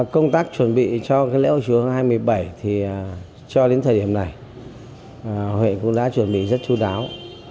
công tác chuẩn bị cho lễ hội chùa hương hai mươi bảy thì cho đến thời điểm này huyện cũng đã chuẩn bị rất chú đáo